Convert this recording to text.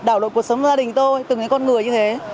đảo lộn cuộc sống của gia đình tôi từng những con người như thế